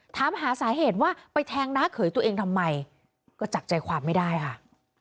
ถามหาสาเหตุว่าไปแทงน้าเขยตัวเองทำไมก็จับใจความไม่ได้ค่ะ